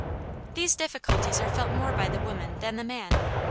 These difficulties are felt more by the woman than the man.